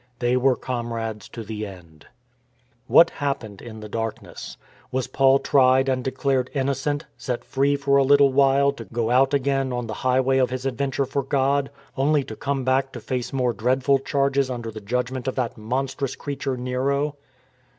They were comrades to the end. What happened in the darkness? Was Paul tried and declared innocent, set free for a little while to go out again on the highway of his adventure for God; only to come back to face more dreadful charges under the judgment of that monstrous creature, Nero?